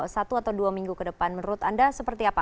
satu atau dua minggu ke depan menurut anda seperti apa